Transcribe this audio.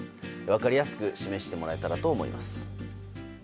分かりやすく示してもらえたらと思います。